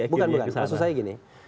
bukan bukan masuk saja gini